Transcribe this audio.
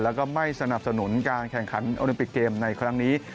แล้วก็ไม่สนับสนุนการแข่งขันโอลิมปิกเกมในครั้งนี้